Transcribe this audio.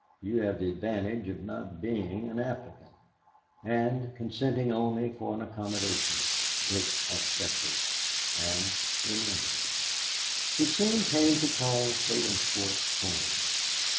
You have the advantage of not being an applicant." And, consenting only for an accommodation, Dick accepted, and remained. He soon came to call Sabinsport home.